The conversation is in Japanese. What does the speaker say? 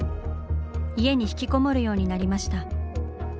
家に引きこもるようになりました。